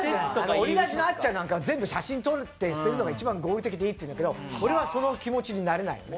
オリラジのあっちゃんは写真撮って捨てるのが一番合理的でいいって言うんだけど、俺はその気持ちになれない。